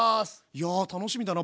いや楽しみだな